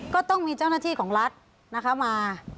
ก็ต้องมีเจ้าหน้าที่ของรัฐนะคะมา